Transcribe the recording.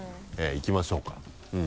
いきましょうか。